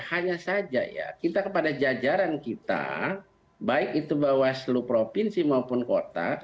hanya saja ya kita kepada jajaran kita baik itu bawaslu provinsi maupun kota